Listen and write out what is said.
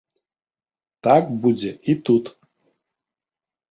Так будзе і тут.